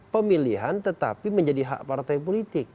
pemilihan tetapi menjadi hak partai politik